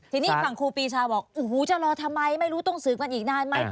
ทีนี้ฝั่งครูปีชาบอกโอ้โหจะรอทำไมไม่รู้ต้องสืบกันอีกนานไหม